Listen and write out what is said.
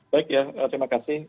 baik ya terima kasih